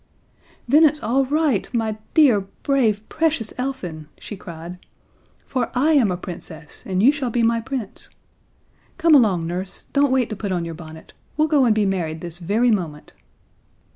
"Then it's all right, my dear, brave, precious Elfin," she cried, "for I am a Princess, and you shall be my Prince. Come along, Nurse don't wait to put on your bonnet. We'll go and be married this very moment."